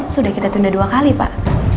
sudah kita tunda dua kali pak